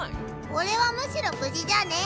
俺はむしろ無事じゃねぇ。